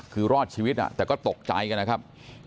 คือรอดชีวิตแต่ก็ตกใจกันนะครับ